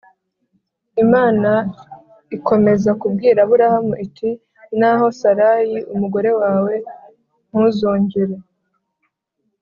Imana ikomeza kubwira aburahamu iti naho sarayi umugore wawe ntuzongere